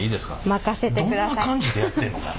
任せてください。